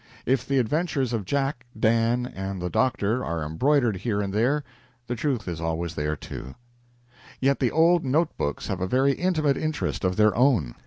If the adventures of Jack, Dan, and the Doctor are embroidered here and there, the truth is always there, too. Yet the old note books have a very intimate interest of their own.